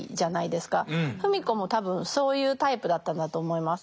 芙美子も多分そういうタイプだったんだと思います。